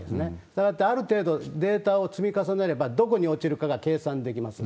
したがって、ある程度データを積み重ねれば、どこに落ちるかが計算できます。